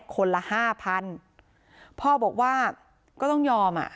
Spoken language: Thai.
คนละห้าพันพ่อบอกว่าก็ต้องยอมอ่ะ